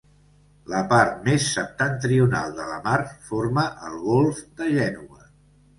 La part més septentrional de la mar forma el golf de Gènova.